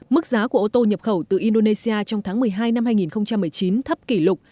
mức giá của ô tô nhập khẩu từ indonesia trong tháng một mươi hai năm hai nghìn một mươi chín thấp kỷ lục